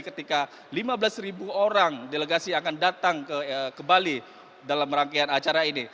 ketika lima belas ribu orang delegasi akan datang ke bali dalam rangkaian acara ini